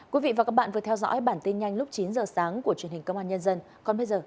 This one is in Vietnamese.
các bạn vừa theo dõi bản tin nhanh lúc chín h sáng của truyền hình công an nhân dân